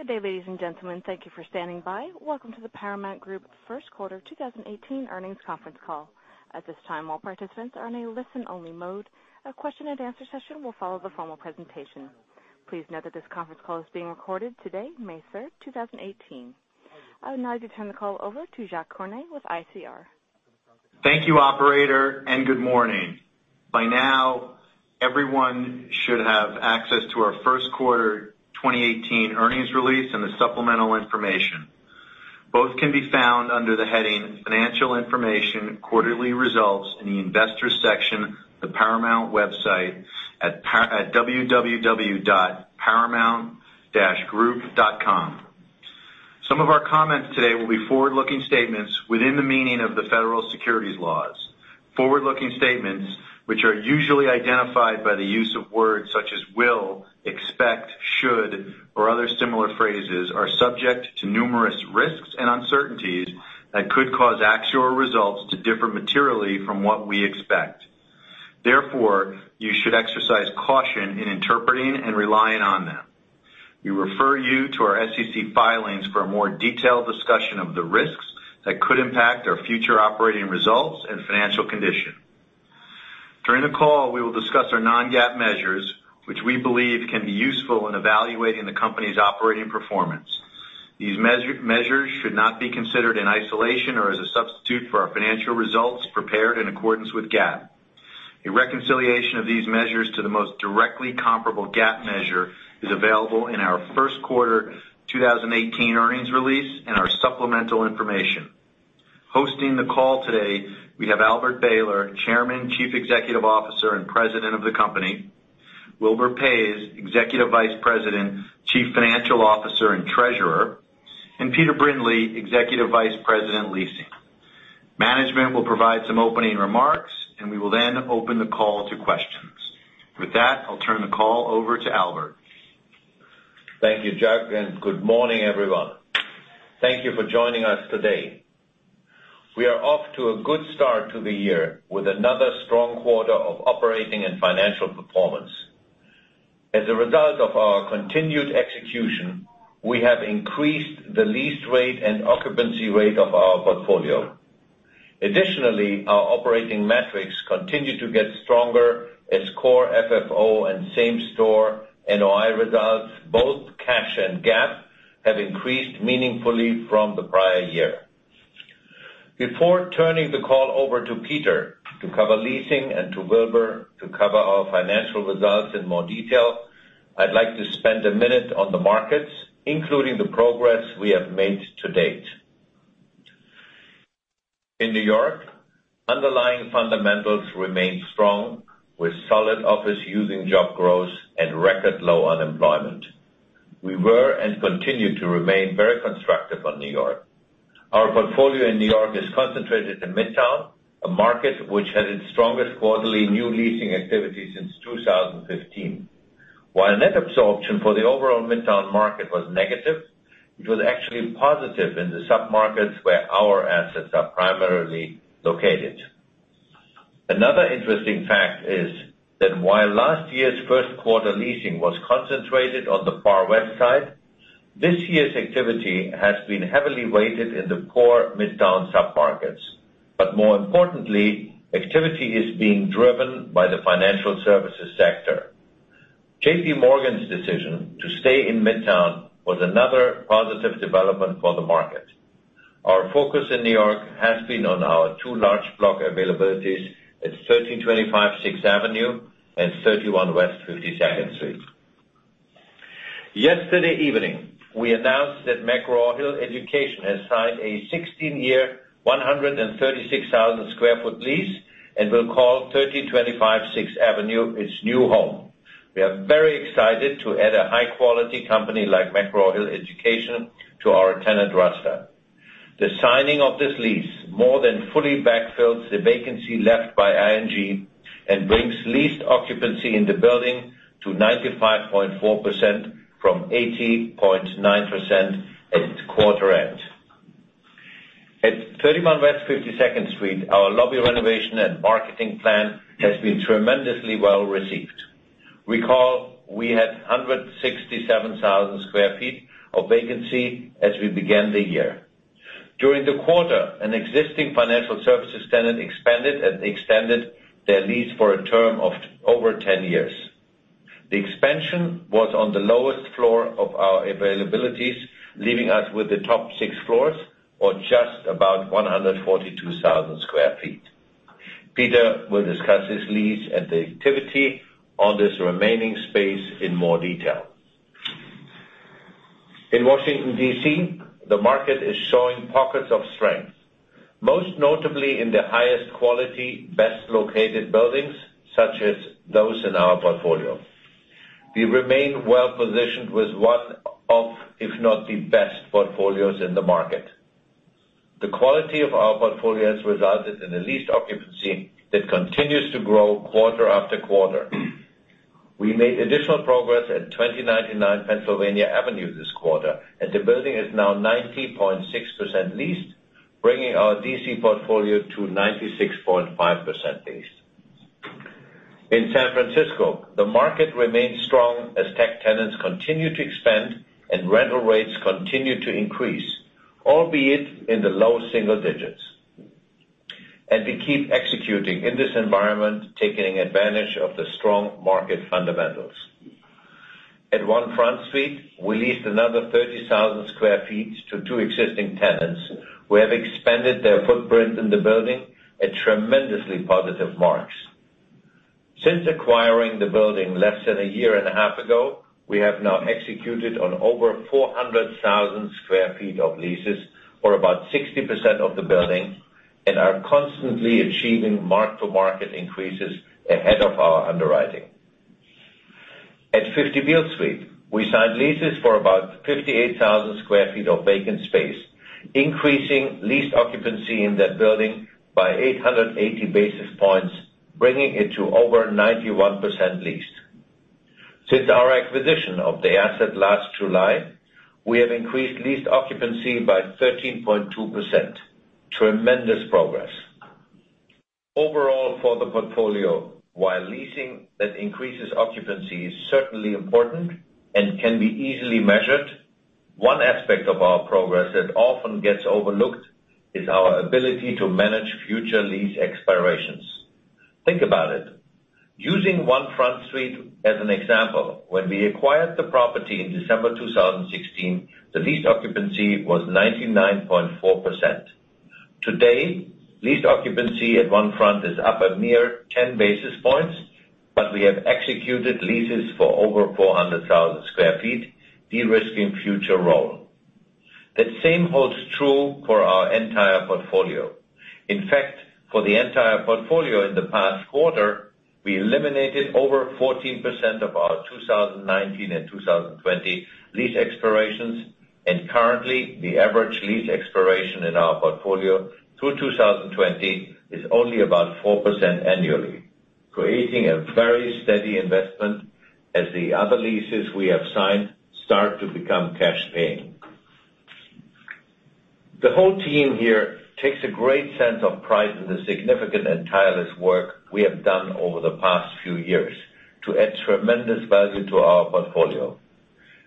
Good day, ladies and gentlemen. Thank you for standing by. Welcome to the Paramount Group first quarter 2018 earnings conference call. At this time, all participants are in a listen-only mode. A question-and-answer session will follow the formal presentation. Please note that this conference call is being recorded today, May 3rd, 2018. I would now like to turn the call over to Jacques Cornet with ICR. Thank you, operator. Good morning. By now, everyone should have access to our first quarter 2018 earnings release and the supplemental information. Both can be found under the heading Financial Information, Quarterly Results in the Investors section of the Paramount website at www.paramount-group.com. Some of our comments today will be forward-looking statements within the meaning of the federal securities laws. Forward-looking statements, which are usually identified by the use of words such as will, expect, should, or other similar phrases, are subject to numerous risks and uncertainties that could cause actual results to differ materially from what we expect. Therefore, you should exercise caution in interpreting and relying on them. We refer you to our SEC filings for a more detailed discussion of the risks that could impact our future operating results and financial condition. During the call, we will discuss our non-GAAP measures, which we believe can be useful in evaluating the company's operating performance. These measures should not be considered in isolation or as a substitute for our financial results prepared in accordance with GAAP. A reconciliation of these measures to the most directly comparable GAAP measure is available in our first quarter 2018 earnings release and our supplemental information. Hosting the call today, we have Albert Behler, Chairman, Chief Executive Officer, and President of the company; Wilbur Paes, Executive Vice President, Chief Financial Officer, and Treasurer; and Peter Brindley, Executive Vice President, Leasing. Management will provide some opening remarks. We will then open the call to questions. With that, I'll turn the call over to Albert. Thank you, Jack. Good morning, everyone. Thank you for joining us today. We are off to a good start to the year with another strong quarter of operating and financial performance. As a result of our continued execution, we have increased the lease rate and occupancy rate of our portfolio. Additionally, our operating metrics continue to get stronger as core FFO and same-store NOI results, both cash and GAAP, have increased meaningfully from the prior year. Before turning the call over to Peter to cover leasing and to Wilbur to cover our financial results in more detail, I'd like to spend a minute on the markets, including the progress we have made to date. In New York, underlying fundamentals remain strong, with solid office using job growth and record low unemployment. We were and continue to remain very constructive on New York. Our portfolio in New York is concentrated in Midtown, a market which had its strongest quarterly new leasing activity since 2015. While net absorption for the overall Midtown market was negative, it was actually positive in the submarkets where our assets are primarily located. Another interesting fact is that while last year's first quarter leasing was concentrated on the Far West Side, this year's activity has been heavily weighted in the core Midtown submarkets. More importantly, activity is being driven by the financial services sector. JP Morgan's decision to stay in Midtown was another positive development for the market. Our focus in New York has been on our two large block availabilities at 1325 Sixth Avenue and 31 West 52nd Street. Yesterday evening, we announced that McGraw-Hill Education has signed a 16-year, 136,000 sq ft lease and will call 1325 Sixth Avenue its new home. We are very excited to add a high-quality company like McGraw-Hill Education to our tenant roster. The signing of this lease more than fully backfills the vacancy left by ING and brings leased occupancy in the building to 95.4% from 80.9% at quarter end. At 31 West 52nd Street, our lobby renovation and marketing plan has been tremendously well received. Recall, we had 167,000 sq ft of vacancy as we began the year. During the quarter, an existing financial services tenant expanded and extended their lease for a term of over 10 years. The expansion was on the lowest floor of our availabilities, leaving us with the top six floors, or just about 142,000 sq ft. Peter will discuss this lease and the activity on this remaining space in more detail. In Washington, D.C., the market is showing pockets of strength, most notably in the highest quality, best-located buildings, such as those in our portfolio. We remain well positioned with one of, if not the best, portfolios in the market. The quality of our portfolio has resulted in a leased occupancy that continues to grow quarter after quarter. We made additional progress at 2099 Pennsylvania Avenue this quarter, and the building is now 90.6% leased, bringing our D.C. portfolio to 96.5% leased. In San Francisco, the market remains strong as tech tenants continue to expand, and rental rates continue to increase, albeit in the low single digits. We keep executing in this environment, taking advantage of the strong market fundamentals. At One Front Street, we leased another 30,000 sq ft to two existing tenants who have expanded their footprint in the building at tremendously positive marks. Since acquiring the building less than a year and a half ago, we have now executed on over 400,000 sq ft of leases, or about 60% of the building, and are constantly achieving mark-to-market increases ahead of our underwriting. At 50 Beale Street, we signed leases for about 58,000 sq ft of vacant space, increasing leased occupancy in that building by 880 basis points, bringing it to over 91% leased. Since our acquisition of the asset last July, we have increased leased occupancy by 13.2%. Tremendous progress. Overall for the portfolio, while leasing that increases occupancy is certainly important and can be easily measured, one aspect of our progress that often gets overlooked is our ability to manage future lease expirations. Think about it. Using One Front Street as an example, when we acquired the property in December 2016, the lease occupancy was 99.4%. Today, lease occupancy at One Front is up a mere 10 basis points. We have executed leases for over 400,000 square feet, de-risking future roll. That same holds true for our entire portfolio. In fact, for the entire portfolio in the past quarter, we eliminated over 14% of our 2019 and 2020 lease expirations. Currently, the average lease expiration in our portfolio through 2020 is only about 4% annually, creating a very steady investment as the other leases we have signed start to become cash paying. The whole team here takes a great sense of pride in the significant and tireless work we have done over the past few years to add tremendous value to our portfolio.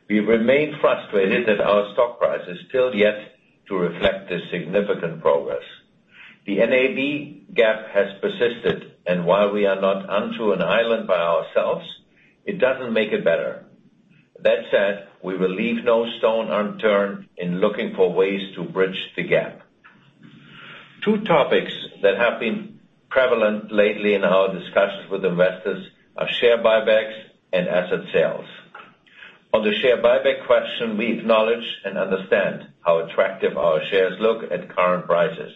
We remain frustrated that our stock price is still yet to reflect this significant progress. The NAV gap has persisted, and while we are not onto an island by ourselves, it doesn't make it better. That said, we will leave no stone unturned in looking for ways to bridge the gap. Two topics that have been prevalent lately in our discussions with investors are share buybacks and asset sales. On the share buyback question, we acknowledge and understand how attractive our shares look at current prices,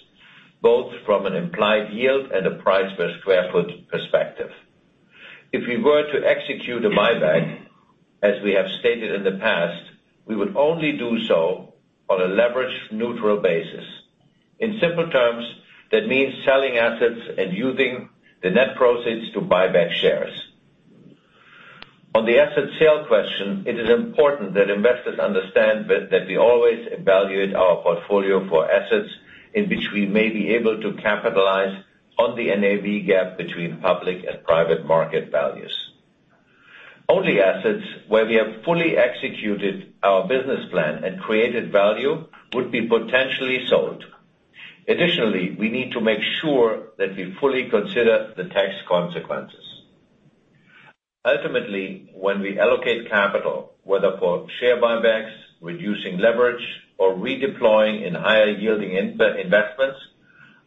both from an implied yield and a price per square foot perspective. If we were to execute a buyback, as we have stated in the past, we would only do so on a leverage-neutral basis. In simple terms, that means selling assets and using the net proceeds to buy back shares. On the asset sale question, it is important that investors understand that we always evaluate our portfolio for assets in which we may be able to capitalize on the NAV gap between public and private market values. Only assets where we have fully executed our business plan and created value would be potentially sold. Additionally, we need to make sure that we fully consider the tax consequences. Ultimately, when we allocate capital, whether for share buybacks, reducing leverage, or redeploying in higher-yielding investments,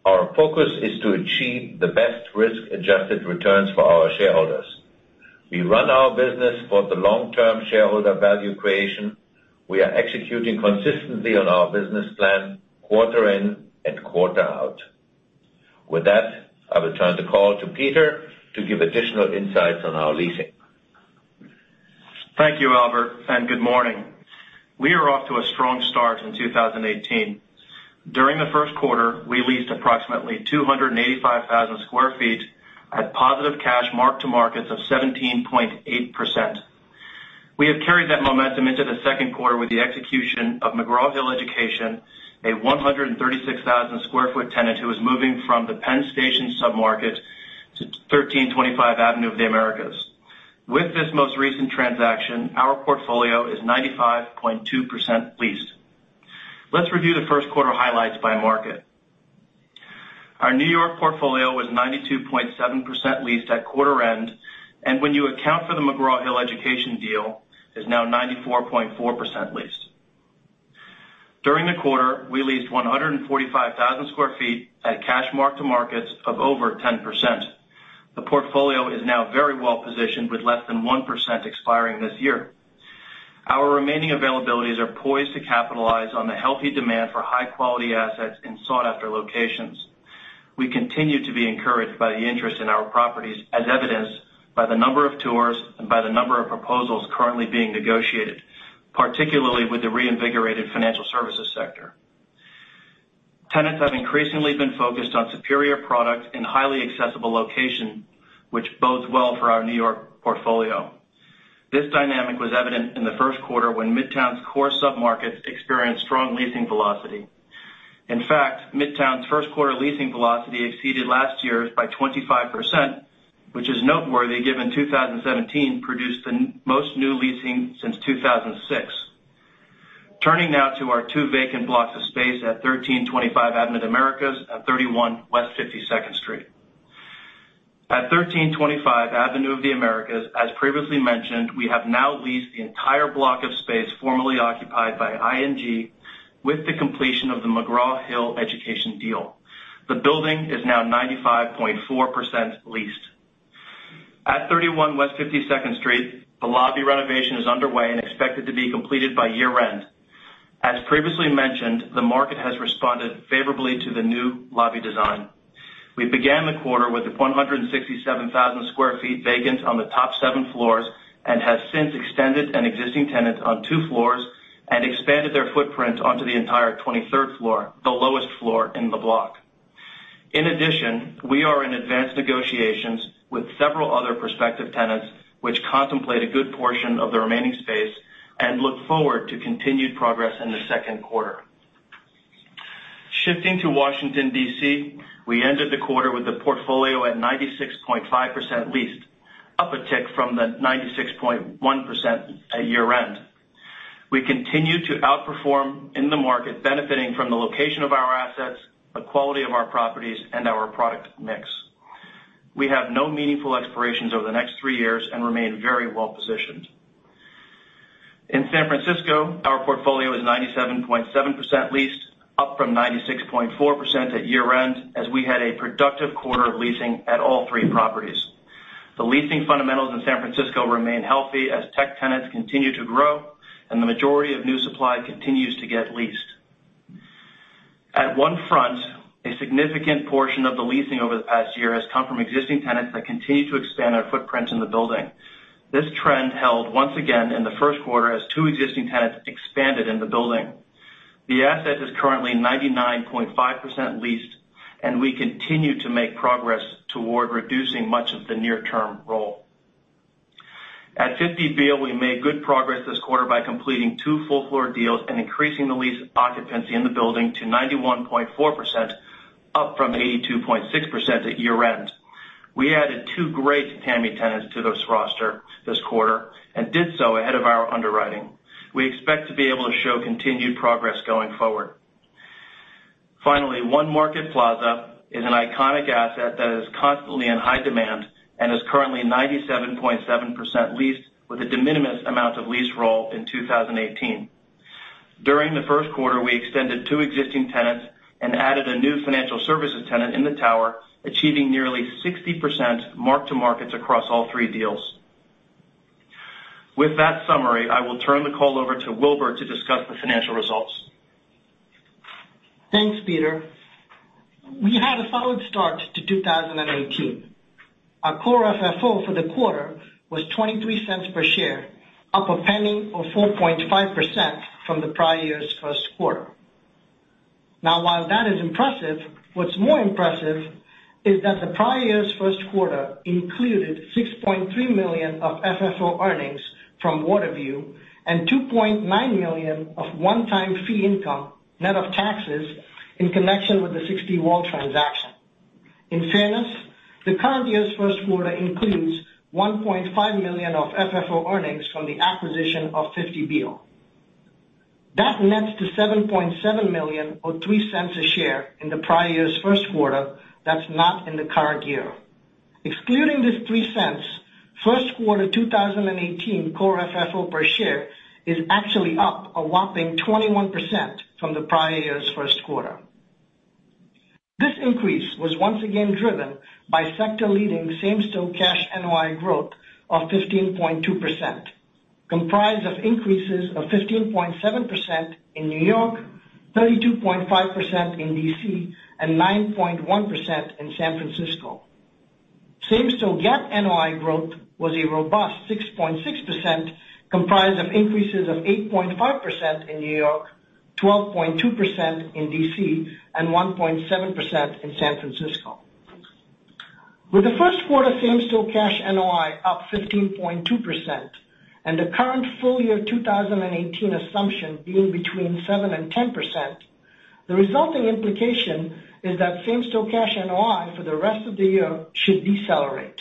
our focus is to achieve the best risk-adjusted returns for our shareholders. We run our business for the long-term shareholder value creation. We are executing consistently on our business plan quarter in and quarter out. With that, I will turn the call to Peter to give additional insights on our leasing. Thank you, Albert, and good morning. We are off to a strong start in 2018. During the first quarter, we leased approximately 285,000 square feet at positive cash mark-to-markets of 17.8%. We have carried that momentum into the second quarter with the execution of McGraw-Hill Education, a 136,000 square foot tenant who is moving from the Penn Station submarket to 1325 Avenue of the Americas. With this most recent transaction, our portfolio is 95.2% leased. Let's review the first quarter highlights by market. Our New York portfolio was 92.7% leased at quarter end, and when you account for the McGraw-Hill Education deal, is now 94.4% leased. During the quarter, we leased 145,000 square feet at cash mark-to-markets of over 10%. The portfolio is now very well positioned with less than 1% expiring this year. Our remaining availabilities are poised to capitalize on the healthy demand for high-quality assets in sought-after locations. We continue to be encouraged by the interest in our properties, as evidenced by the number of tours and by the number of proposals currently being negotiated, particularly with the reinvigorated financial services sector. Tenants have increasingly been focused on superior product and highly accessible location, which bodes well for our New York portfolio. This dynamic was evident in the first quarter when Midtown's core submarkets experienced strong leasing velocity. In fact, Midtown's first quarter leasing velocity exceeded last year's by 25%, which is noteworthy given 2017 produced the most new leasing since 2006. Turning now to our two vacant blocks of space at 1325 Avenue of the Americas and 31 West 52nd Street. At 1325 Avenue of the Americas, as previously mentioned, we have now leased the entire block of space formerly occupied by ING with the completion of the McGraw-Hill Education deal. The building is now 95.4% leased. At 31 West 52nd Street, the lobby renovation is underway and expected to be completed by year-end. As previously mentioned, the market has responded favorably to the new lobby design. We began the quarter with the 167,000 square feet vacant on the top seven floors and have since extended an existing tenant on two floors and expanded their footprint onto the entire 23rd floor, the lowest floor in the block. In addition, we are in advanced negotiations with several other prospective tenants, which contemplate a good portion of the remaining space and look forward to continued progress in the second quarter. Shifting to Washington, D.C., we ended the quarter with the portfolio at 96.5% leased, up a tick from the 96.1% at year-end. We continue to outperform in the market, benefiting from the location of our assets, the quality of our properties, and our product mix. We have no meaningful expirations over the next three years and remain very well-positioned. In San Francisco, our portfolio is 97.7% leased, up from 96.4% at year-end, as we had a productive quarter of leasing at all three properties. The leasing fundamentals in San Francisco remain healthy as tech tenants continue to grow, and the majority of new supply continues to get leased. At One Front, a significant portion of the leasing over the past year has come from existing tenants that continue to expand their footprints in the building. This trend held once again in the first quarter as two existing tenants expanded in the building. The asset is currently 99.5% leased, and we continue to make progress toward reducing much of the near-term roll. At 50 Beale, we made good progress this quarter by completing two full-floor deals and increasing the lease occupancy in the building to 91.4%, up from 82.6% at year-end. We added two great TAMI tenants to this roster this quarter and did so ahead of our underwriting. We expect to be able to show continued progress going forward. Finally, One Market Plaza is an iconic asset that is constantly in high demand and is currently 97.7% leased with a de minimis amount of lease roll in 2018. During the first quarter, we extended two existing tenants and added a new financial services tenant in the tower, achieving nearly 60% mark-to-market across all three deals. With that summary, I will turn the call over to Wilbur to discuss the financial results. Thanks, Peter. We had a solid start to 2018. Our core FFO for the quarter was $0.23 per share, up $0.01 or 4.5% from the prior year's first quarter. While that is impressive, what is more impressive is that the prior year's first quarter included $6.3 million of FFO earnings from Waterview and $2.9 million of one-time fee income, net of taxes, in connection with the 60 Wall transaction. In fairness, the current year's first quarter includes $1.5 million of FFO earnings from the acquisition of 50 Beale. That nets to $7.7 million or $0.03 a share in the prior year's first quarter, that is not in the current year. Excluding this $0.03, first quarter 2018 core FFO per share is actually up a whopping 21% from the prior year's first quarter. This increase was once again driven by sector-leading same-store cash NOI growth of 15.2%, comprised of increases of 15.7% in New York, 32.5% in D.C., and 9.1% in San Francisco. Same-store GAAP NOI growth was a robust 6.6%, comprised of increases of 8.5% in New York, 12.2% in D.C., and 1.7% in San Francisco. With the first quarter same-store cash NOI up 15.2% and the current full-year 2018 assumption being between 7%-10%, the resulting implication is that same-store cash NOI for the rest of the year should decelerate.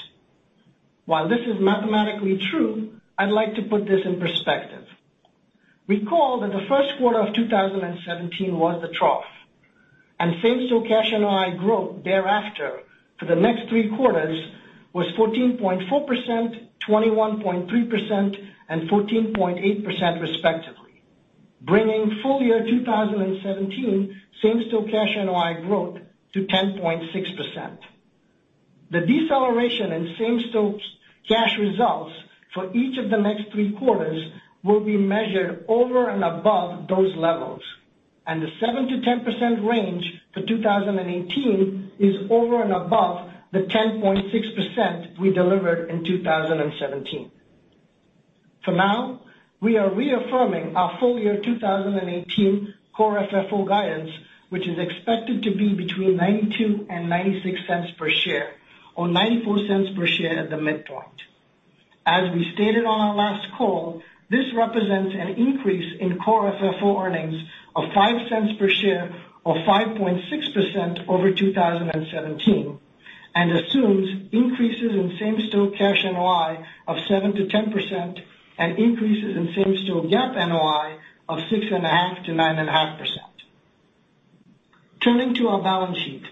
While this is mathematically true, I would like to put this in perspective. Recall that the first quarter of 2017 was the trough, and same-store cash NOI growth thereafter for the next three quarters was 14.4%, 21.3%, and 14.8% respectively, bringing full year 2017 same-store cash NOI growth to 10.6%. The deceleration in same-store cash results for each of the next three quarters will be measured over and above those levels, and the 7%-10% range for 2018 is over and above the 10.6% we delivered in 2017. For now, we are reaffirming our full-year 2018 core FFO guidance, which is expected to be between $0.92 and $0.96 per share, or $0.94 per share at the midpoint. As we stated on our last call, this represents an increase in core FFO earnings of $0.05 per share or 5.6% over 2017, and assumes increases in same-store cash NOI of 7%-10% and increases in same-store GAAP NOI of 6.5%-9.5%. Turning to our balance sheet.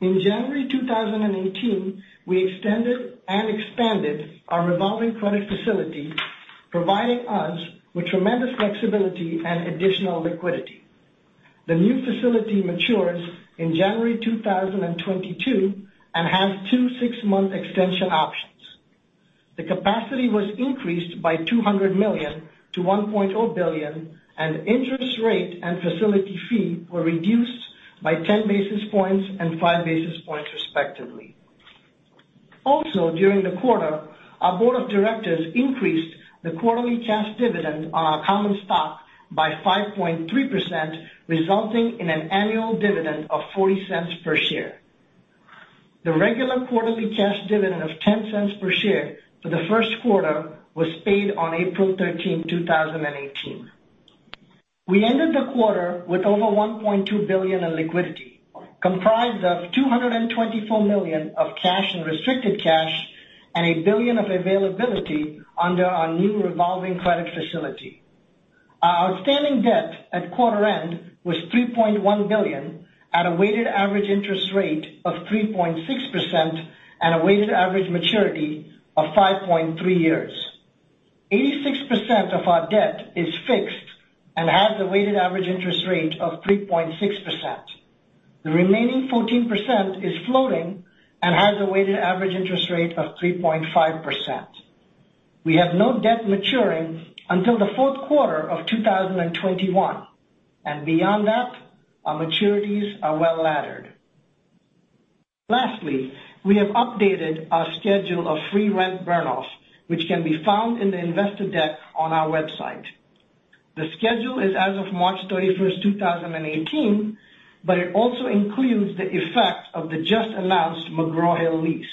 In January 2018, we extended and expanded our revolving credit facility, providing us with tremendous flexibility and additional liquidity. The new facility matures in January 2022 and has two six-month extension options. The capacity was increased by $200 million to $1.0 billion, and interest rate and facility fee were reduced by 10 basis points and five basis points, respectively. During the quarter, our board of directors increased the quarterly cash dividend on our common stock by 5.3%, resulting in an annual dividend of $0.40 per share. The regular quarterly cash dividend of $0.10 per share for the first quarter was paid on April 13, 2018. We ended the quarter with over $1.2 billion in liquidity, comprised of $224 million of cash and restricted cash and $1 billion of availability under our new revolving credit facility. Our outstanding debt at quarter end was $3.1 billion at a weighted average interest rate of 3.6% and a weighted average maturity of 5.3 years. 86% of our debt is fixed and has a weighted average interest rate of 3.6%. The remaining 14% is floating and has a weighted average interest rate of 3.5%. We have no debt maturing until the fourth quarter of 2021, beyond that, our maturities are well-laddered. Lastly, we have updated our schedule of free rent burn-offs, which can be found in the investor deck on our website. The schedule is as of March 31st, 2018, it also includes the effect of the just-announced McGraw-Hill lease.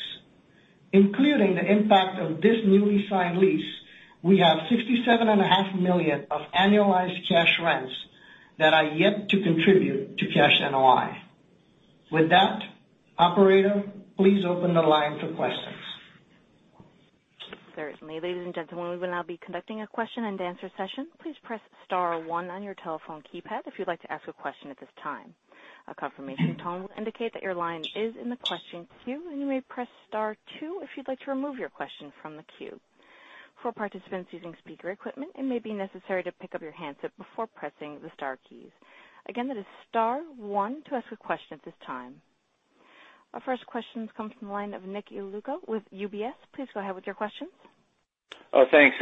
Including the impact of this newly signed lease, we have $67.5 million of annualized cash rents that are yet to contribute to cash NOI. With that, operator, please open the line to questions. Certainly. Ladies and gentlemen, we will now be conducting a question-and-answer session. Please press *1 on your telephone keypad if you'd like to ask a question at this time. A confirmation tone will indicate that your line is in the question queue, you may press *2 if you'd like to remove your question from the queue. For participants using speaker equipment, it may be necessary to pick up your handset before pressing the star keys. Again, that is *1 to ask a question at this time. Our first question comes from the line of Nick Yulico with UBS. Please go ahead with your questions. Thanks.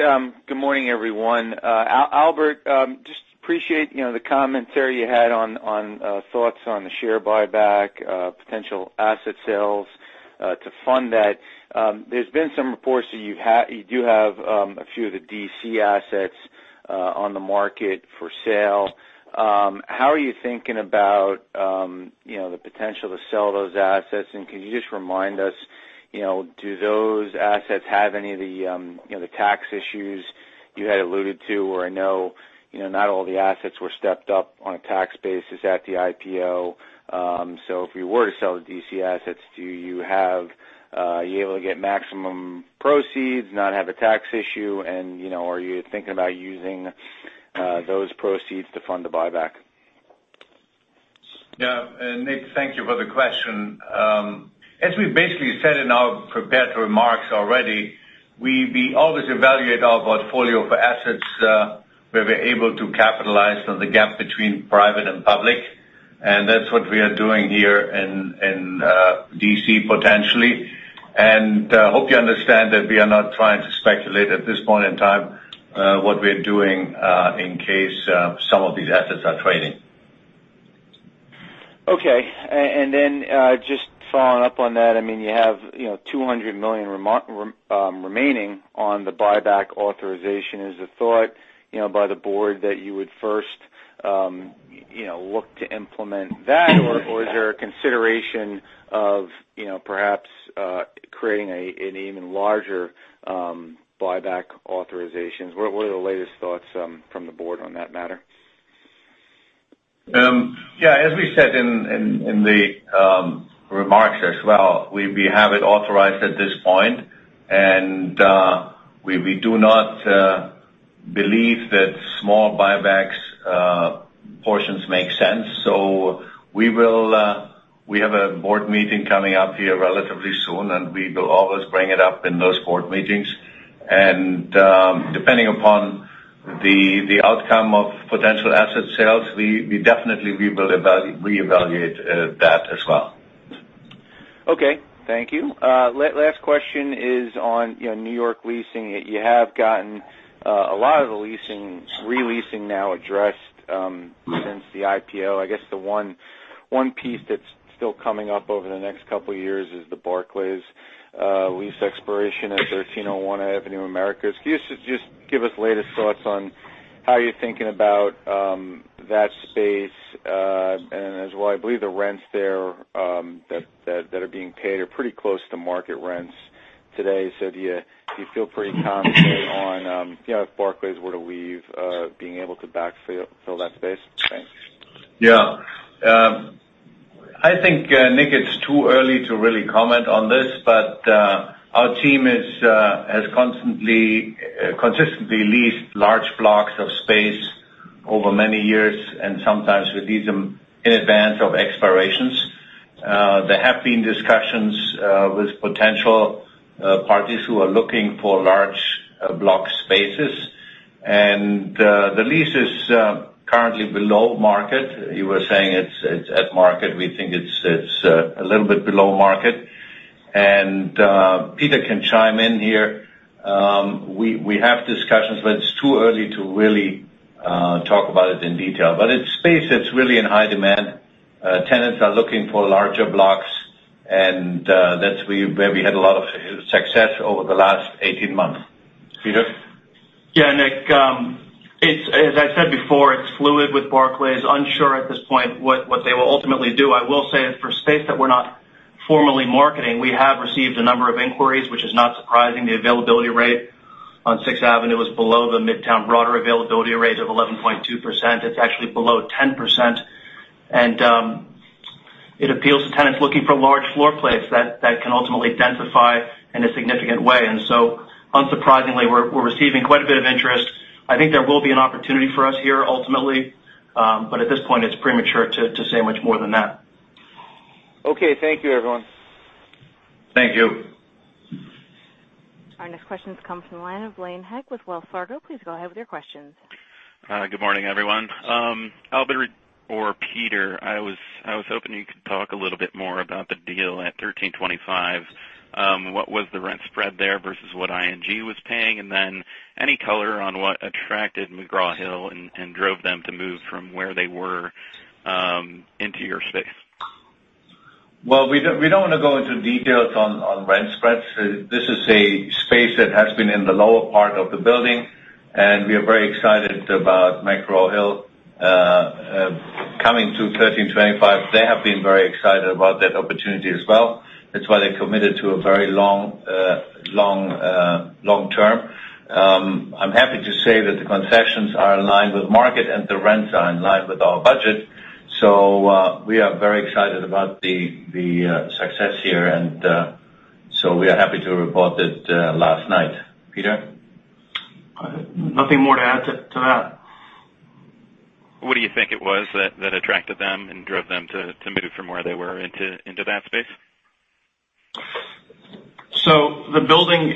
Good morning, everyone. Albert, just appreciate the commentary you had on thoughts on the share buyback, potential asset sales to fund that. There's been some reports that you do have a few of the D.C. assets on the market for sale. How are you thinking about the potential to sell those assets, can you just remind us, do those assets have any of the tax issues you had alluded to, where I know not all the assets were stepped up on a tax basis at the IPO. If you were to sell the D.C. assets, are you able to get maximum proceeds, not have a tax issue, are you thinking about using those proceeds to fund the buyback? Yeah. Nick, thank you for the question. As we basically said in our prepared remarks already, we always evaluate our portfolio for assets where we're able to capitalize on the gap between private and public, that's what we are doing here in D.C. potentially. Hope you understand that we are not trying to speculate at this point in time what we're doing in case some of these assets are trading. Okay. Just following up on that, you have $200 million remaining on the buyback authorization. Is the thought by the board that you would first look to implement that, or is there a consideration of perhaps creating an even larger buyback authorizations? What are the latest thoughts from the board on that matter? Yeah, as we said in the remarks as well, we have it authorized at this point, we do not believe that small buybacks portions make sense. We have a board meeting coming up here relatively soon, we will always bring it up in those board meetings. Depending upon the outcome of potential asset sales, we definitely will reevaluate that as well. Okay. Thank you. Last question is on New York leasing. You have gotten a lot of the re-leasing now addressed since the IPO. I guess the one piece that's still coming up over the next couple of years is the Barclays lease expiration at 1301 Avenue of the Americas. Can you just give us latest thoughts on. How are you thinking about that space? I believe the rents there that are being paid are pretty close to market rents today. Do you feel pretty confident on, if Barclays were to leave, being able to backfill that space? Thanks. Yeah. I think, Nick, it's too early to really comment on this. Our team has consistently leased large blocks of space over many years, sometimes we lease them in advance of expirations. There have been discussions with potential parties who are looking for large block spaces. The lease is currently below market. You were saying it's at market. We think it's a little bit below market. Peter can chime in here. We have discussions, it's too early to really talk about it in detail. It's space that's really in high demand. Tenants are looking for larger blocks, that's where we had a lot of success over the last 18 months. Peter? Yeah, Nick. As I said before, it's fluid with Barclays. Unsure at this point what they will ultimately do. I will say that for space that we're not formally marketing, we have received a number of inquiries, which is not surprising. The availability rate on Sixth Avenue is below the Midtown broader availability rate of 11.2%. It's actually below 10%, it appeals to tenants looking for large floor plates that can ultimately densify in a significant way. Unsurprisingly, we're receiving quite a bit of interest. I think there will be an opportunity for us here ultimately. At this point, it's premature to say much more than that. Okay. Thank you, everyone. Thank you. Our next question comes from the line of Blaine Heck with Wells Fargo. Please go ahead with your questions. Good morning, everyone. Albert or Peter, I was hoping you could talk a little bit more about the deal at 1325 Avenue of the Americas. What was the rent spread there versus what ING was paying? Any color on what attracted McGraw Hill and drove them to move from where they were into your space? Well, we don't want to go into details on rent spreads. This is a space that has been in the lower part of the building, and we are very excited about McGraw Hill coming to 1325 Avenue of the Americas. They have been very excited about that opportunity as well. That's why they committed to a very long term. I'm happy to say that the concessions are in line with market and the rents are in line with our budget. We are very excited about the success here, we are happy to report it last night. Peter? Nothing more to add to that. What do you think it was that attracted them and drove them to move from where they were into that space? The building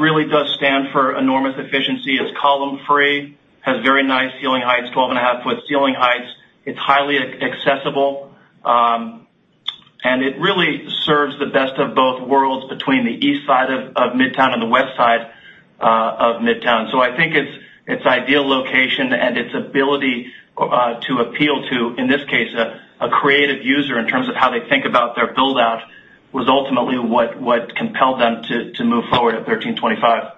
really does stand for enormous efficiency. It's column free, has very nice ceiling heights, 12 and a half foot ceiling heights. It's highly accessible. It really serves the best of both worlds between the east side of Midtown and the west side of Midtown. I think it's ideal location and its ability to appeal to, in this case, a creative user in terms of how they think about their build-out, was ultimately what compelled them to move forward at 1325.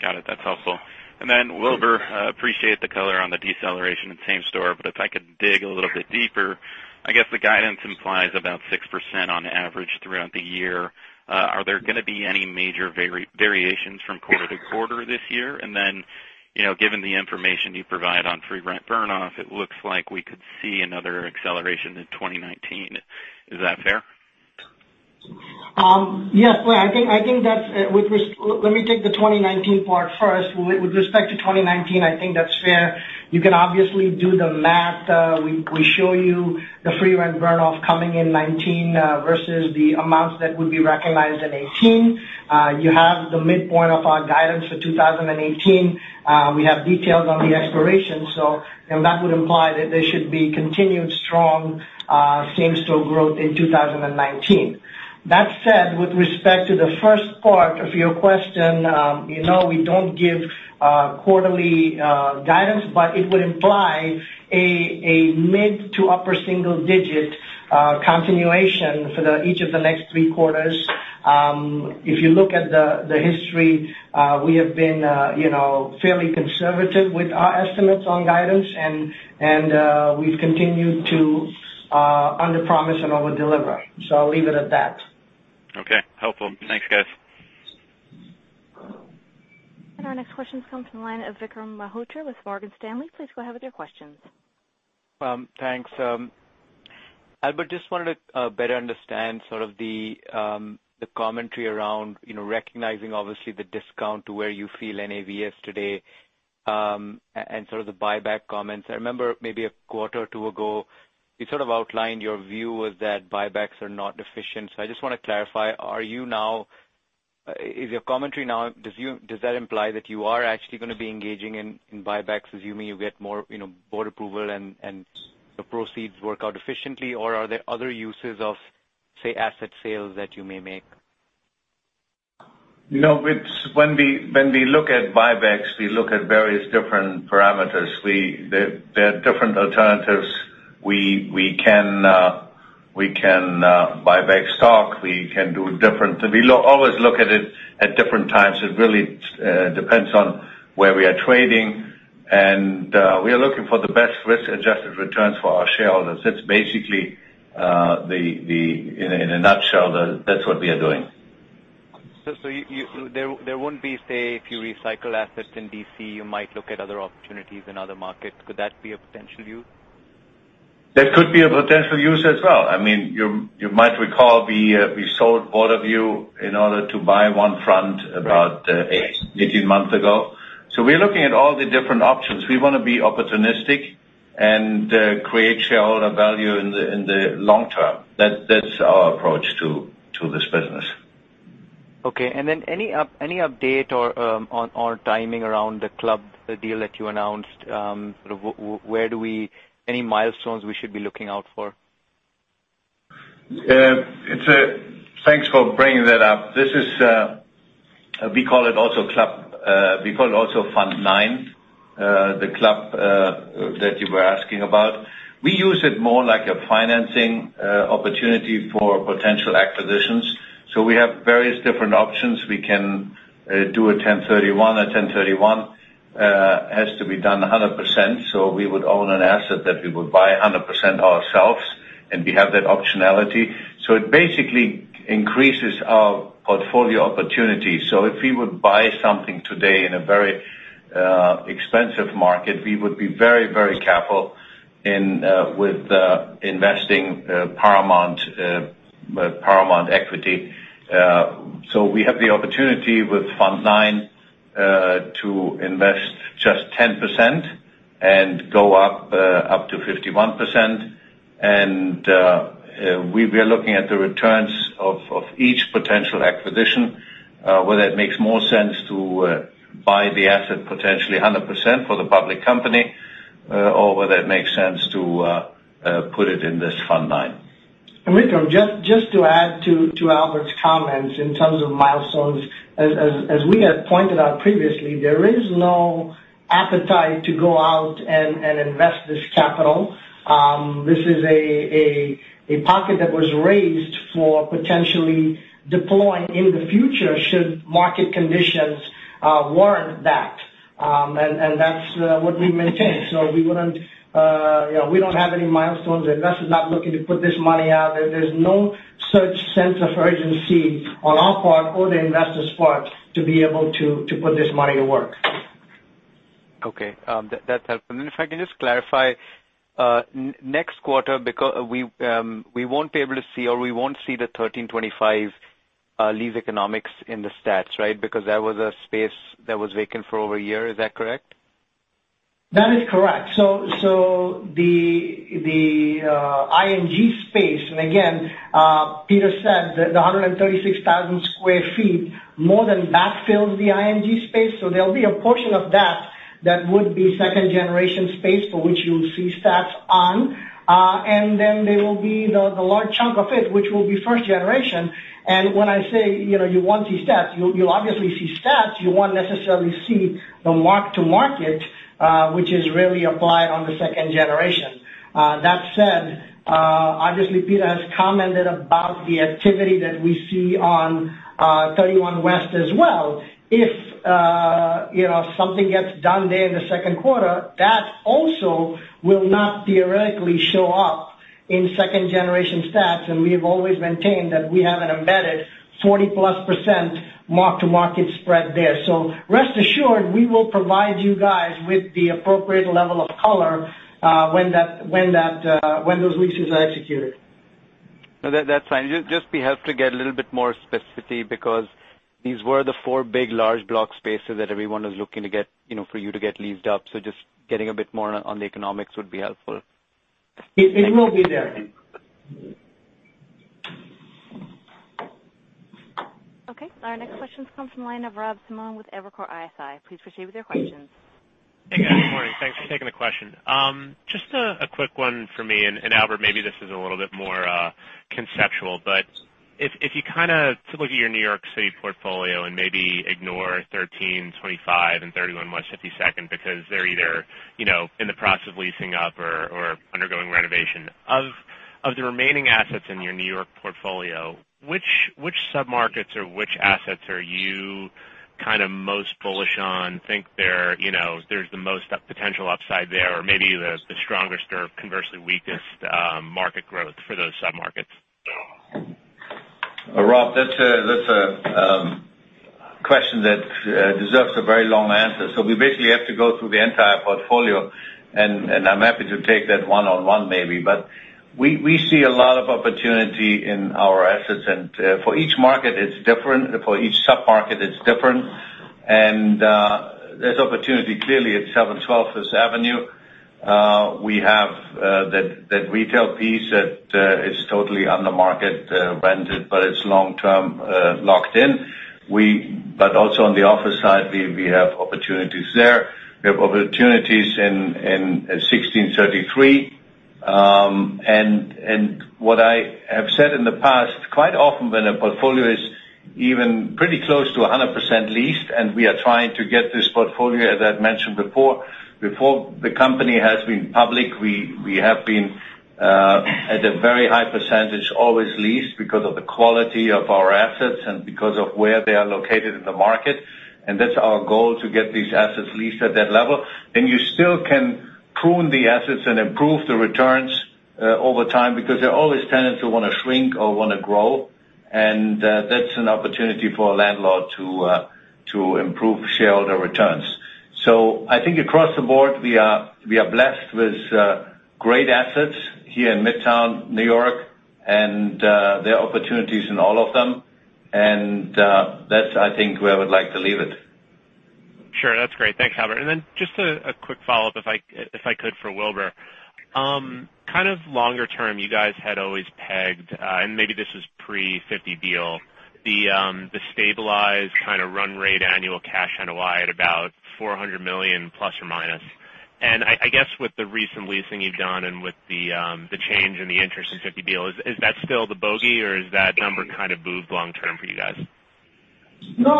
Got it. That's helpful. Wilbur, appreciate the color on the deceleration in same-store, but if I could dig a little bit deeper, I guess the guidance implies about 6% on average throughout the year. Are there going to be any major variations from quarter to quarter this year? Given the information you provide on free rent burn-off, it looks like we could see another acceleration in 2019. Is that fair? Yes. Blaine, let me take the 2019 part first. With respect to 2019, I think that's fair. You can obviously do the math. We show you the free rent burn-off coming in 2019 versus the amounts that would be recognized in 2018. You have the midpoint of our guidance for 2018. We have details on the expiration, that would imply that there should be continued strong same-store growth in 2019. That said, with respect to the first part of your question, we don't give quarterly guidance, but it would imply a mid to upper single-digit continuation for each of the next three quarters. If you look at the history, we have been fairly conservative with our estimates on guidance, and we've continued to underpromise and overdeliver. I'll leave it at that. Okay. Helpful. Thanks, guys. Our next question comes from the line of Vikram Malhotra with Morgan Stanley. Please go ahead with your questions. Thanks. Albert, just wanted to better understand sort of the commentary around recognizing, obviously, the discount to where you feel NAV is today, and sort of the buyback comments. I remember maybe a quarter or two ago, you sort of outlined your view was that buybacks are not efficient. I just want to clarify, is your commentary now, does that imply that you are actually going to be engaging in buybacks assuming you get more board approval and the proceeds work out efficiently, or are there other uses of, say, asset sales that you may make? No. When we look at buybacks, we look at various different parameters. There are different alternatives. We can buy back stock. We can do different. We always look at it at different times. It really depends on where we are trading, and we are looking for the best risk-adjusted returns for our shareholders. That's basically, in a nutshell, that's what we are doing. There won't be, say, if you recycle assets in D.C., you might look at other opportunities in other markets. Could that be a potential use? That could be a potential use as well. You might recall we sold Waterview in order to buy One Front about 18 months ago. We're looking at all the different options. We want to be opportunistic and create shareholder value in the long term. That's our approach to this business. Okay. Any update or on timing around the club, the deal that you announced, any milestones we should be looking out for? Thanks for bringing that up. We call it also Fund Nine, the club that you were asking about. We use it more like a financing opportunity for potential acquisitions. We have various different options. We can do a 1031. A 1031 has to be done 100%, so we would own an asset that we would buy 100% ourselves, and we have that optionality. It basically increases our portfolio opportunity. If we would buy something today in a very expensive market, we would be very careful with investing Paramount equity. We have the opportunity with Fund Nine to invest just 10% and go up to 51%. We are looking at the returns of each potential acquisition, whether it makes more sense to buy the asset potentially 100% for the public company, or whether it makes sense to put it in this Fund Nine. Vikram, just to add to Albert's comments, in terms of milestones, as we had pointed out previously, there is no appetite to go out and invest this capital. This is a pocket that was raised for potentially deploying in the future, should market conditions warrant that. That's what we maintain. We don't have any milestones. The investor's not looking to put this money out. There's no such sense of urgency on our part or the investor's part to be able to put this money to work. Okay. That's helpful. If I can just clarify, next quarter, we won't be able to see, or we won't see the 1325 lease economics in the stats, right? Because that was a space that was vacant for over a year. Is that correct? That is correct. The ING space, and again, Peter said that the 136,000 sq ft more than backfills the ING space. There'll be a portion of that would be second-generation space for which you'll see stats on. There will be the large chunk of it, which will be first generation. When I say, you won't see stats, you'll obviously see stats. You won't necessarily see the mark-to-market, which is really applied on the second generation. That said, obviously, Peter has commented about the activity that we see on 31 West as well. If something gets done there in the second quarter, that also will not theoretically show up in second-generation stats. We've always maintained that we have an embedded 40-plus% mark-to-market spread there. Rest assured, we will provide you guys with the appropriate level of color when those leases are executed. No, that's fine. Just be helpful to get a little bit more specificity because these were the four big large block spaces that everyone was looking to get for you to get leased up. Just getting a bit more on the economics would be helpful. It will be there. Okay. Our next question comes from the line of Rob Simone with Evercore ISI. Please proceed with your questions. Hey, guys. Good morning. Thanks for taking the question. Just a quick one for me, Albert, maybe this is a little bit more conceptual. If you kind of look at your New York City portfolio and maybe ignore 1325, and 31 West 52nd, because they're either in the process of leasing up or undergoing renovation. Of the remaining assets in your New York portfolio, which sub-markets or which assets are you kind of most bullish on, think there's the most potential upside there, or maybe the strongest or conversely weakest market growth for those sub-markets? Rob, that's a question that deserves a very long answer. We basically have to go through the entire portfolio, and I'm happy to take that one-on-one maybe. We see a lot of opportunity in our assets, and for each market, it's different. For each sub-market, it's different. There's opportunity clearly at 712 Fifth Avenue. We have that retail piece that is totally on the market, rented, but it's long-term locked in. Also on the office side, we have opportunities there. We have opportunities at 1633. What I have said in the past, quite often when a portfolio is even pretty close to 100% leased, and we are trying to get this portfolio, as I've mentioned before, the company has been public. We have been at a very high percentage always leased because of the quality of our assets and because of where they are located in the market, and that's our goal to get these assets leased at that level. You still can prune the assets and improve the returns over time because there are always tenants who want to shrink or want to grow, and that's an opportunity for a landlord to improve shareholder returns. I think across the board, we are blessed with great assets here in Midtown, N.Y., and there are opportunities in all of them. That's, I think, where I would like to leave it. Sure. That's great. Thanks, Albert. Just a quick follow-up if I could for Wilbur. Kind of longer term, you guys had always pegged, and maybe this was pre 50 Beale, the stabilized kind of run rate annual cash NOI at about $400 million plus or minus. I guess with the recent leasing you've done and with the change in the interest in 50 Beale, is that still the bogey or has that number kind of moved long term for you guys? No,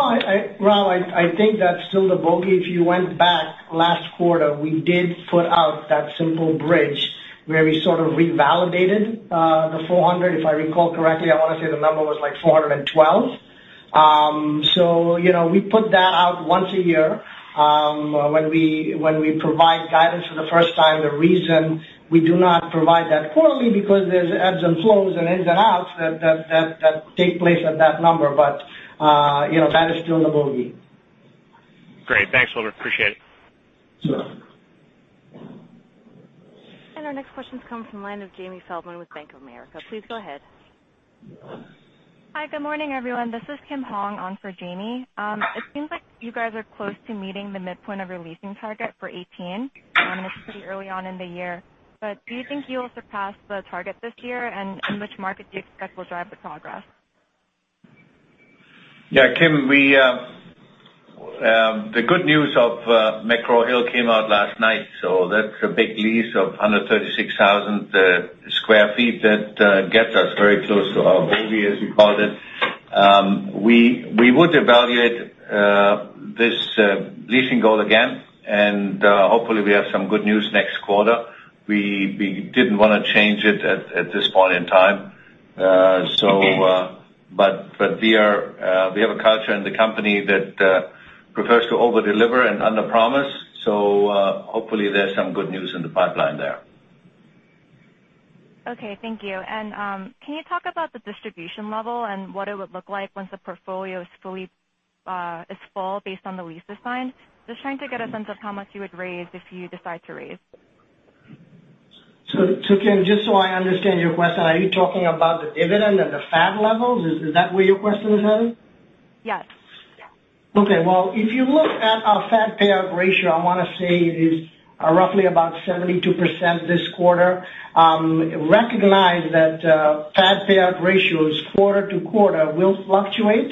Rob, I think that's still the bogey. If you went back last quarter, we did put out that simple bridge where we sort of revalidated the $400, if I recall correctly. I want to say the number was like $412. We put that out once a year. When we provide guidance for the first time, the reason we do not provide that quarterly is because there's ebbs and flows and ins and outs that take place at that number. That is still the bogey. Great. Thanks, Wilbur. Appreciate it. Sure. Our next question comes from line of Jamie Feldman with Bank of America. Please go ahead. Hi, good morning, everyone. This is Kim Hong on for Jamie. It seems like you guys are close to meeting the midpoint of your leasing target for 2018, and it's pretty early on in the year. Do you think you will surpass the target this year, and which market do you expect will drive the progress? Yeah, Kim, the good news of McGraw Hill came out last night, so that's a big lease of 136,000 sq ft that gets us very close to our bogey, as we called it. We would evaluate this leasing goal again, and hopefully, we have some good news next quarter. We didn't want to change it at this point in time. We have a culture in the company that prefers to overdeliver and underpromise. Hopefully, there's some good news in the pipeline there. Okay, thank you. Can you talk about the distribution level and what it would look like once the portfolio is full based on the leases signed? Just trying to get a sense of how much you would raise if you decide to raise. Kim, just so I understand your question, are you talking about the dividend and the FAD levels? Is that where your question is headed? Yes. Okay. Well, if you look at our FAD payout ratio, I want to say it is roughly about 72% this quarter. Recognize that FAD payout ratios quarter-to-quarter will fluctuate.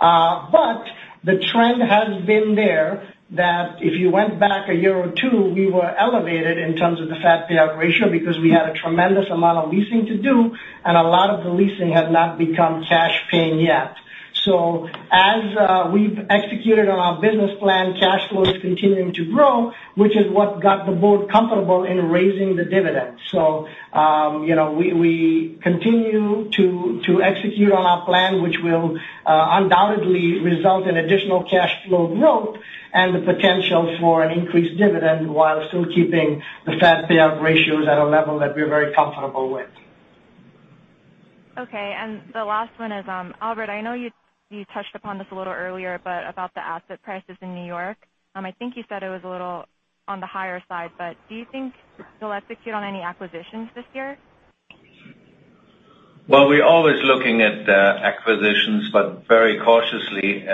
The trend has been there that if you went back a year or two, we were elevated in terms of the FAD payout ratio because we had a tremendous amount of leasing to do, and a lot of the leasing had not become cash paying yet. As we've executed on our business plan, cash flow is continuing to grow, which is what got the board comfortable in raising the dividend. We continue to execute on our plan, which will undoubtedly result in additional cash flow growth and the potential for an increased dividend while still keeping the FAD payout ratios at a level that we're very comfortable with. Okay. The last one is Albert, I know you touched upon this a little earlier, about the asset prices in New York. I think you said it was a little on the higher side, do you think you'll execute on any acquisitions this year? Well, we're always looking at acquisitions, but very cautiously.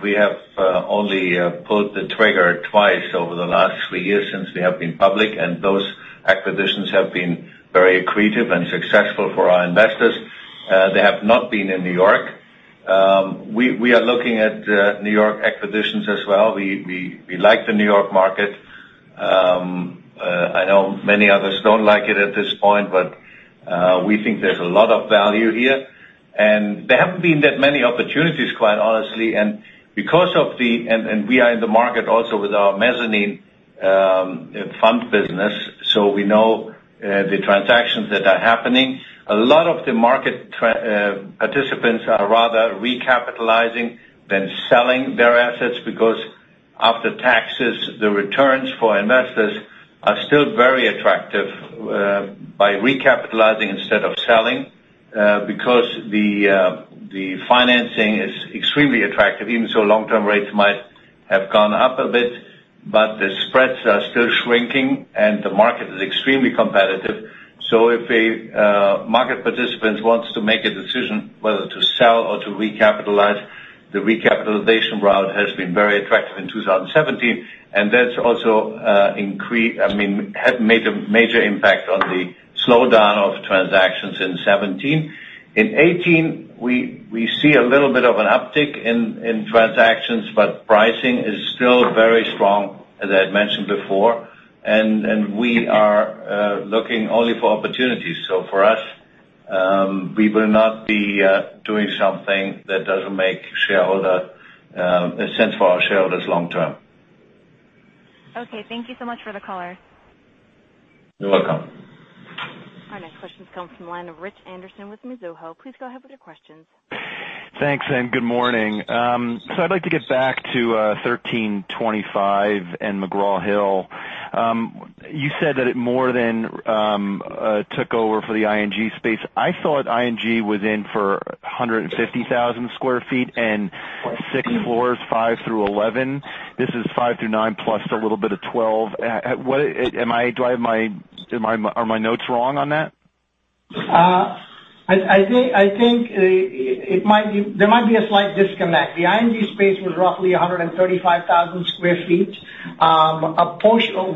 We have only pulled the trigger twice over the last three years since we have been public, and those acquisitions have been very accretive and successful for our investors. They have not been in New York. We are looking at New York acquisitions as well. We like the New York market. I know many others don't like it at this point, but we think there's a lot of value here. There haven't been that many opportunities, quite honestly. We are in the market also with our mezzanine fund business, so we know the transactions that are happening. A lot of the market participants are rather recapitalizing than selling their assets because after taxes, the returns for investors are still very attractive by recapitalizing instead of selling because the financing is extremely attractive, even so long-term rates might have gone up a bit. The spreads are still shrinking, and the market is extremely competitive. If a market participant wants to make a decision whether to sell or to recapitalize, the recapitalization route has been very attractive in 2017, and that also had made a major impact on the slowdown of transactions in 2017. In 2018, we see a little bit of an uptick in transactions, but pricing is still very strong, as I had mentioned before. We are looking only for opportunities. For us, we will not be doing something that doesn't make sense for our shareholders long term. Okay. Thank you so much for the color. You're welcome. Our next question comes from the line of Rich Anderson with Mizuho. Please go ahead with your questions. Thanks, and good morning. I'd like to get back to 1325 and McGraw Hill. You said that it more than took over for the ING space. I thought ING was in for 150,000 sq ft and six floors, five through 11. This is five through nine, plus a little bit of 12. Are my notes wrong on that? I think there might be a slight disconnect. The ING space was roughly 135,000 sq ft.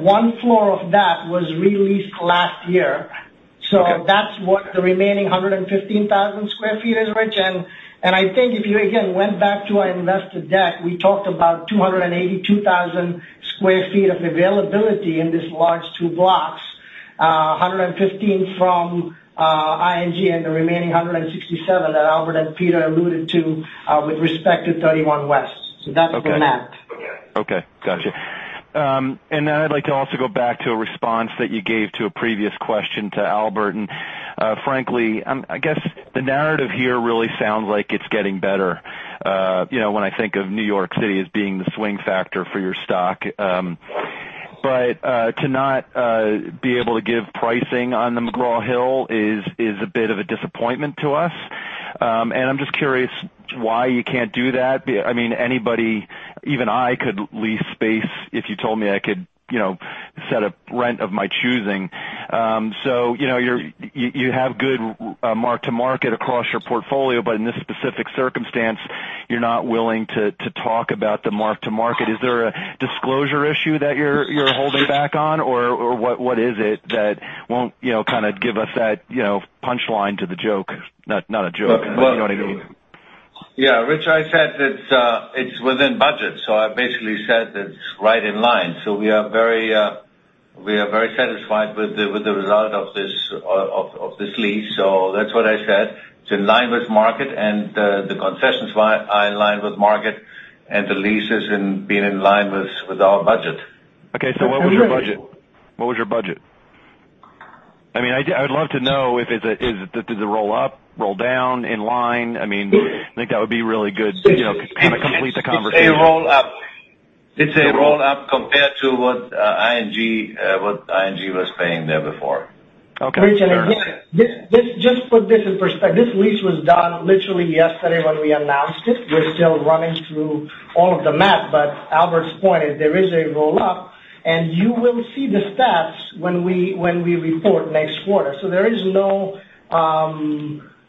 One floor of that was re-leased last year. Okay. That's what the remaining 115,000 sq ft is, Rich. I think if you, again, went back to our investor deck, we talked about 282,000 sq ft of availability in these large two blocks. 115 from ING and the remaining 167 that Albert and Peter alluded to with respect to 31 West. That's the math. Okay. Got you. I'd like to also go back to a response that you gave to a previous question to Albert. Frankly, I guess the narrative here really sounds like it's getting better. When I think of New York City as being the swing factor for your stock. To not be able to give pricing on the McGraw Hill is a bit of a disappointment to us. I'm just curious why you can't do that. Anybody, even I, could lease space if you told me I could set a rent of my choosing. You have good mark-to-market across your portfolio, but in this specific circumstance, you're not willing to talk about the mark-to-market. Is there a disclosure issue that you're holding back on, or what is it that won't kind of give us that punchline to the joke? Not a joke, but you know what I mean. Yeah. Rich, I said that it's within budget. I basically said it's right in line. We are very satisfied with the result of this lease. That's what I said. It's in line with market, and the concessions are in line with market, and the leases being in line with our budget. Okay. What was your budget? I would love to know if it's a roll up, roll down, in line. I think that would be really good, kind of complete the conversation. It's a roll-up. It's a roll-up compared to what ING was paying there before. Okay. Fair enough. Rich, again, just put this in perspective. This lease was done literally yesterday when we announced it. We're still running through all of the math, Albert's point is there is a roll-up, and you will see the stats when we report next quarter. There is no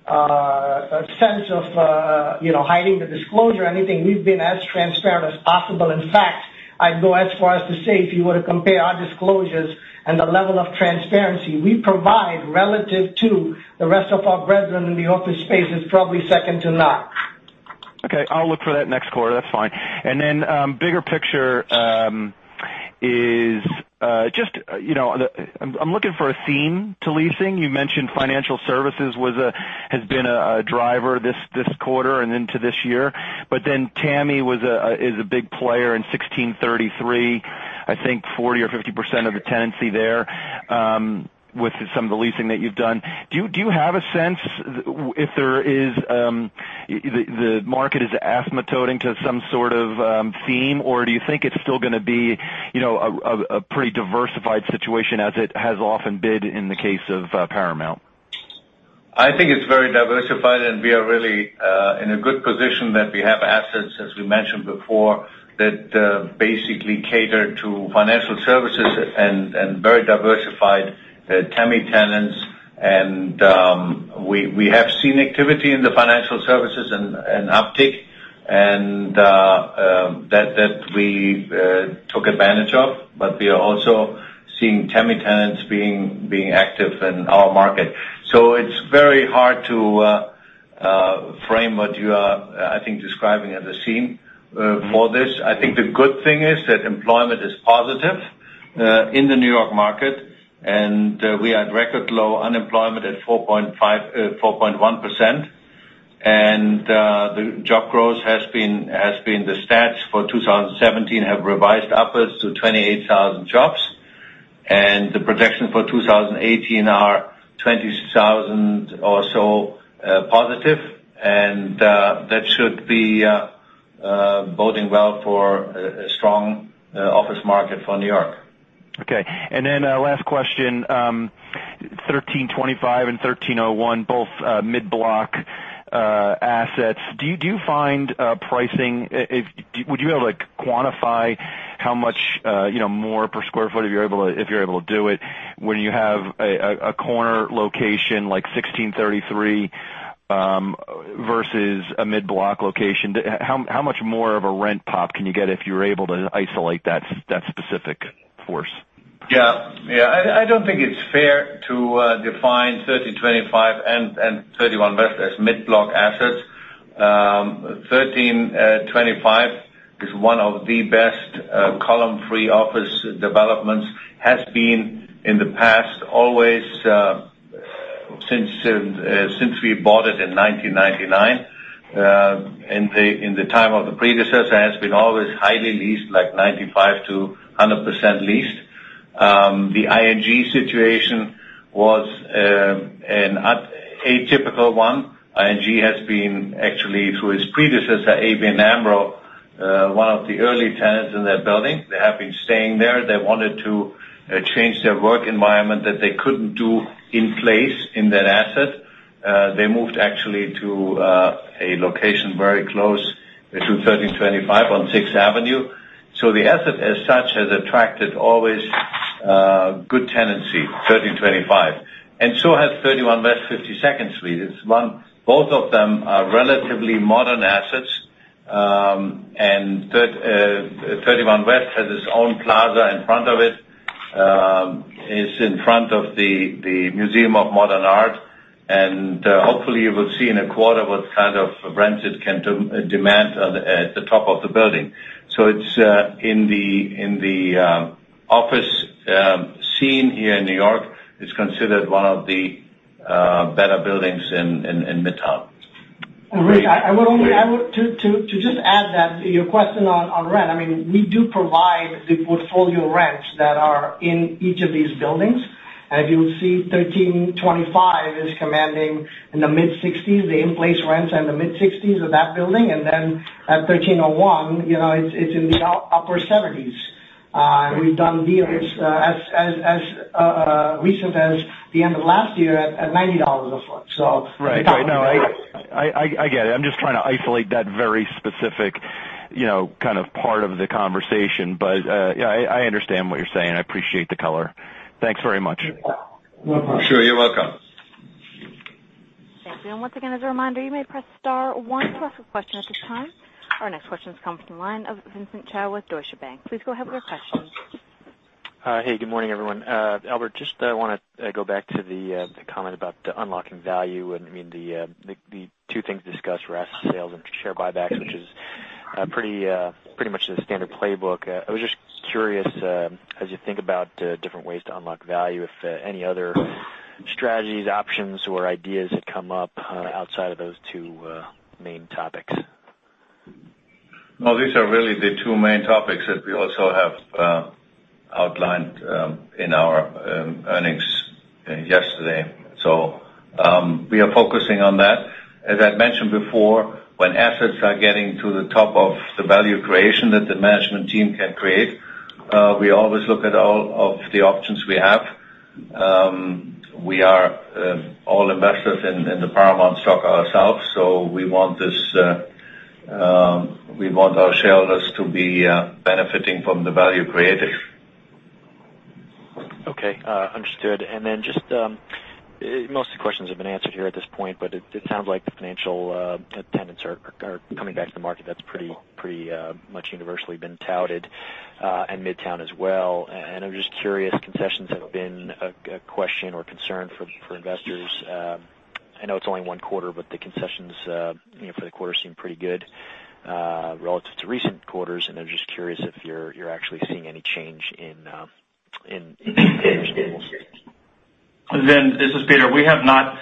sense of hiding the disclosure or anything. We've been as transparent as possible. In fact, I'd go as far as to say, if you were to compare our disclosures and the level of transparency we provide relative to the rest of our brethren in the office space, it's probably second to none. Okay. I'll look for that next quarter. That's fine. Then, bigger picture is, I'm looking for a theme to leasing. You mentioned financial services has been a driver this quarter and into this year. TAMI is a big player in 1633, I think 40% or 50% of the tenancy there, with some of the leasing that you've done. Do you have a sense if the market is asymptoting to some sort of theme, or do you think it's still going to be a pretty diversified situation as it has often been in the case of Paramount? I think it's very diversified. We are really in a good position that we have assets, as we mentioned before, that basically cater to financial services and very diversified TAMI tenants. We have seen activity in the financial services, an uptick, and that we took advantage of, but we are also seeing TAMI tenants being active in our market. It's very hard to frame what you are, I think, describing as a scene for this. I think the good thing is that employment is positive in the New York market, and we are at record low unemployment at 4.1%. The job growth, the stats for 2017 have revised upwards to 28,000 jobs. The projection for 2018 are 20,000 or so positive. That should be boding well for a strong office market for New York. Okay. Last question. 1325 and 1301, both mid-block assets. Would you be able to quantify how much more per sq ft, if you're able to do it, when you have a corner location like 1633 versus a mid-block location? How much more of a rent pop can you get if you're able to isolate that specific force? Yeah. I don't think it's fair to define 1325 and 31 West as mid-block assets. 1325 is one of the best column-free office developments. It has been in the past, always since we bought it in 1999. In the time of the predecessor, it has been always highly leased, like 95%-100% leased. The ING situation was an atypical one. ING has been actually, through its predecessor, ABN AMRO, one of the early tenants in that building. They have been staying there. They wanted to change their work environment that they couldn't do in place in that asset. They moved actually to a location very close to 1325 on Sixth Avenue. The asset as such has attracted always good tenancy, 1325, and so has 31 West 52nd Street. Both of them are relatively modern assets, and 31 West has its own plaza in front of it. It's in front of the Museum of Modern Art, and hopefully, you will see in a quarter what kind of rents it can demand at the top of the building. It's in the office scene here in New York. It's considered one of the better buildings in Midtown. I would only, to just add that to your question on rent, we do provide the portfolio rents that are in each of these buildings. If you'll see, 1325 is commanding in the mid-$60s, the in-place rents are in the mid-$60s of that building. Then at 1301, it's in the upper $70s. We've done deals as recent as the end of last year at $90 a foot. Right. No, I get it. I'm just trying to isolate that very specific part of the conversation. Yeah, I understand what you're saying. I appreciate the color. Thanks very much. You're welcome. Sure. You're welcome. Thank you. Once again, as a reminder, you may press star one to ask a question at this time. Our next question comes from the line of Vincent Chao with Deutsche Bank. Please go ahead with your question. Hey, good morning, everyone. Albert, I want to go back to the comment about unlocking value. The two things discussed were asset sales and share buybacks, which is pretty much the standard playbook. I was just curious, as you think about different ways to unlock value, if any other strategies, options, or ideas had come up outside of those two main topics. No, these are really the two main topics that we also have outlined in our earnings yesterday. We are focusing on that. As I've mentioned before, when assets are getting to the top of the value creation that the management team can create, we always look at all of the options we have. We are all investors in the Paramount stock ourselves. We want our shareholders to be benefiting from the value created. Okay. Understood. Most of the questions have been answered here at this point, it sounds like the financial tenants are coming back to the market. That's pretty much universally been touted, Midtown as well. I'm just curious, concessions have been a question or concern for investors. I know it's only one quarter, but the concessions for the quarter seem pretty good relative to recent quarters. I'm just curious if you're actually seeing any change in concessions. Vin, this is Peter. We have not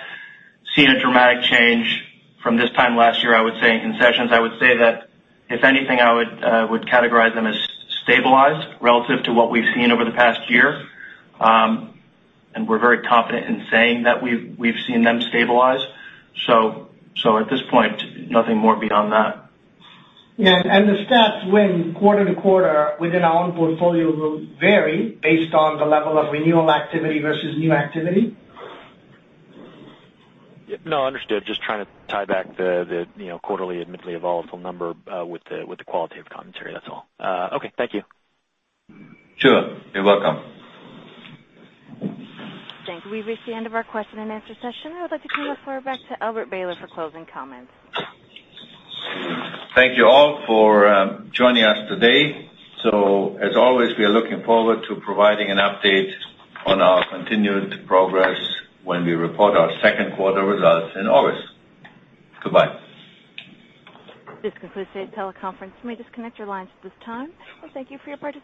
seen a dramatic change from this time last year, I would say, in concessions. I would say that if anything, I would categorize them as stabilized relative to what we've seen over the past year. We're very confident in saying that we've seen them stabilize. At this point, nothing more beyond that. Yeah, the stats when quarter-to-quarter within our own portfolio will vary based on the level of renewal activity versus new activity. No, understood. Just trying to tie back the quarterly, admittedly a volatile number, with the quality of commentary. That's all. Okay. Thank you. Sure. You're welcome. Thank you. We've reached the end of our question-and-answer session. I would like to hand the floor back to Albert Behler for closing comments. Thank you all for joining us today. As always, we are looking forward to providing an update on our continued progress when we report our second quarter results in August. Goodbye. This concludes the teleconference. You may disconnect your lines at this time. Thank you for your participation.